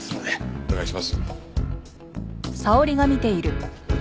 お願いします。